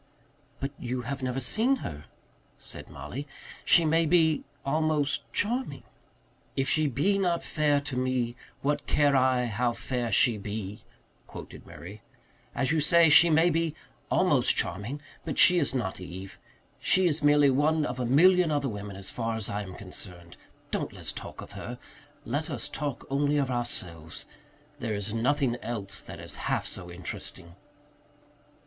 "But you have never seen her," said Mollie. "She may be almost charming." "'If she be not fair to me, what care I how fair she be?'" quoted Murray. "As you say, she may be almost charming; but she is not Eve. She is merely one of a million other women, as far as I am concerned. Don't let's talk of her. Let us talk only of ourselves there is nothing else that is half so interesting."